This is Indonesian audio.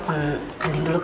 bahkan terus juga